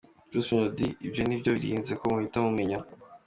Bruce Melody: Ibyo ni byo nirinze ko muhita mumenya.